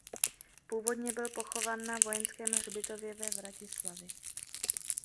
Původně byl pochován na vojenském hřbitově ve Vratislavi.